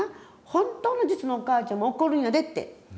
本当の実のお母ちゃんも怒るんやでって。